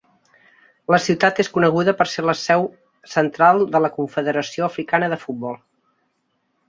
La ciutat és coneguda per ser la seu central de la Confederació Africana de Futbol.